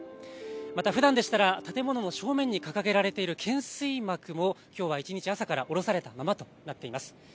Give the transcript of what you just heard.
また、ふだんでしたら建物の正面に掲げられている懸垂幕もきょうは一日、朝から下ろされたままとなっています。